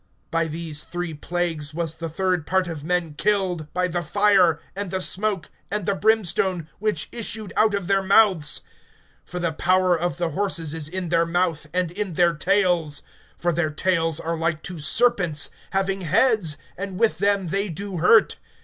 (18)By these three plagues was the third part of men killed, by the fire, and the smoke, and the brimstone, which issued out of their mouths. (19)For the power of the horses is in their mouth, and in their tails; for their tails are like to serpents, having heads, and with them they do hurt.